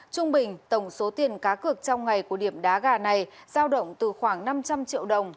trung bình tổng số tiền cá cược trong ngày của điểm đá gà này giao động từ khoảng năm trăm linh triệu đồng